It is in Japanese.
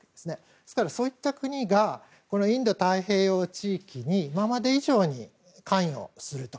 ですから、そういった国がインド太平洋地域に今まで以上に関与すると。